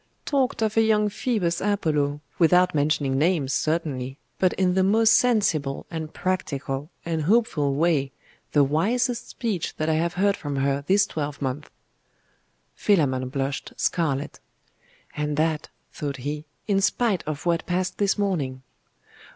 'Talked of a young Phoebus Apollo without mentioning names, certainly, but in the most sensible, and practical, and hopeful way the wisest speech that I have heard from her this twelvemonth.' Philammon blushed scarlet. 'And that,' thought he, in spite of what passed this morning!